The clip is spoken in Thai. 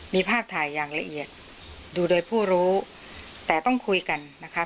มีภาพถ่ายอย่างละเอียดดูโดยผู้รู้แต่ต้องคุยกันนะคะ